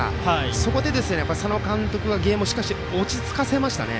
そこで佐野監督がゲームをしっかりと落ち着かせましたね。